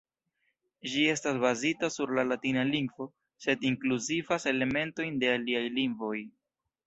Ĝi estas bazita sur la latina lingvo, sed inkluzivas elementojn de aliaj lingvoj.